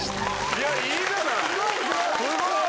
いやいいじゃない！